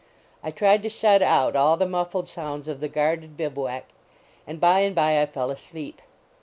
I tried to shut out all the muffled sounds of the guarded bivouac, and, by and by, I fell asleep.